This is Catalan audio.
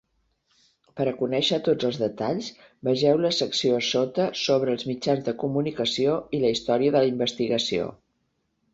Per a conèixer tots els detalls, vegeu la secció a sota sobre els mitjans de comunicació i la història de la investigació.